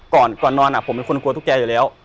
ก่อนนอนผมเป็นคนกลัวตุ๊กแกอยู่แล้ว